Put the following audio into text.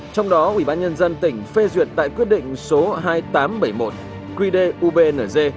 trong đó quỹ bán nhân dân tỉnh phê duyệt tại quyết định số hai nghìn tám trăm bảy mươi một qd ubnz